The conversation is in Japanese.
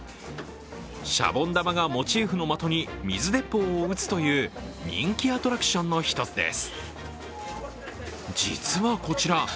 シャボン玉がモチーフの的に水鉄砲を撃つという人気アトラクションの１つです。